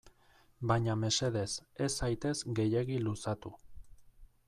Baina mesedez, ez zaitez gehiegi luzatu.